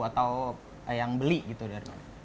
atau yang beli gitu dari mana